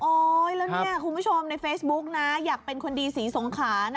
แล้วเนี่ยคุณผู้ชมในเฟซบุ๊กนะอยากเป็นคนดีสีสงขานะ